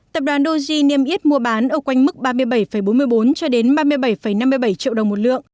tập đoàn doji niêm yết mua bán ở quanh mức ba mươi bảy bốn mươi bốn cho đến ba mươi bảy năm mươi bảy triệu đồng một lượng